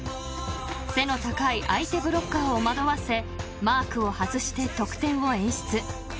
［背の高い相手ブロッカーを惑わせマークを外して得点を演出］